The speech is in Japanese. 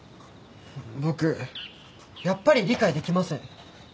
僕やっぱり理解できません。